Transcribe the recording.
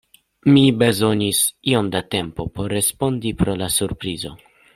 Mi bezonis iom da tempo por respondi pro la surprizo.